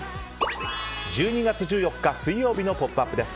１２月１４日水曜日の「ポップＵＰ！」です。